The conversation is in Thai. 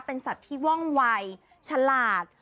เป็นสัตว์ที่ว่องวัยฉลาด